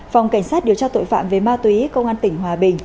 phòng cảnh sát điều tra tội phạm về ma túy công an tỉnh hòa bình